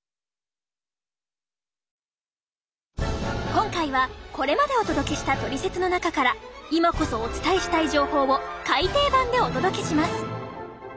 今回はこれまでお届けした「トリセツ」の中から今こそお伝えしたい情報を改訂版でお届けします！